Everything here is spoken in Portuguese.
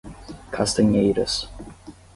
Castanheiras